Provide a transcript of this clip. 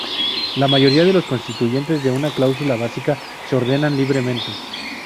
La mayoría de los constituyentes de una cláusula básica se ordenan libremente.